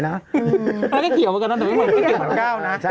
แล้วได้เกี่ยวกับเรื่องนั้นแต่ว่าไม่ก้าวนะใช่